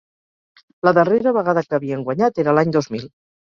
La darrera vegada que havien guanyat era l’any dos mil.